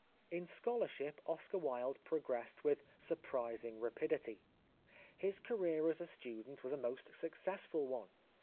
"In scholarship Oscar Wilde progressed with surprising rapidity. His career as a student was a most successful one.